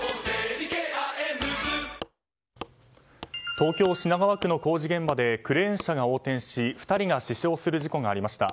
東京・品川区の工事現場でクレーン車が横転し２人が死傷する事故がありました。